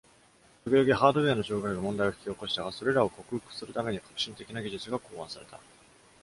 ときどきハードウェアの障害が問題を引き起こしたが、それらを克服するために革新的な技術が考案された。